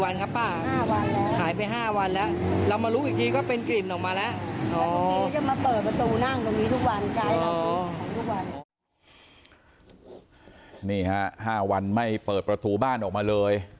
นี่ฮะ๕วันไม่เปิดประตูบ้านออกมาเลย